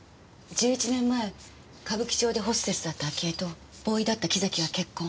１１年前歌舞伎町でホステスだった明恵とボーイだった木崎が結婚。